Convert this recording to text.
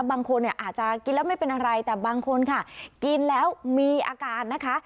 บางคนเนี่ยอาจจะกินแล้วไม่เป็นอะไรแต่บางคนค่ะกินแล้วมีอาการนะคะ